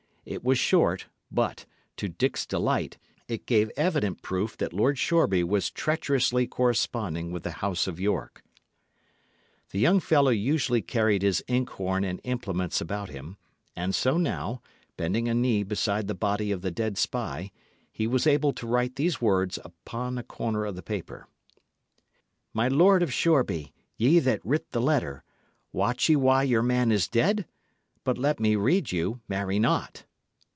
It was short, but, to Dick's delight, it gave evident proof that Lord Shoreby was treacherously corresponding with the House of York. The young fellow usually carried his ink horn and implements about him, and so now, bending a knee beside the body of the dead spy, he was able to write these words upon a corner of the paper: My Lord of Shoreby, ye that writt the letter, wot ye why your man is ded? But let me rede you, marry not.